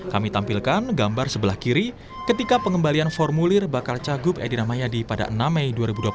kami tampilkan gambar sebelah kiri ketika pengembalian formulir bakal cagup edi ramayadi pada enam mei dua ribu dua puluh satu